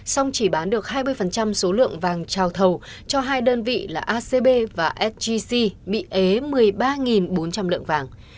xong chỉ bán được hai mươi số lượng vàng trào thầu cho hai đơn vị là acb và sgc bị ế một mươi ba bốn trăm linh lượng vàng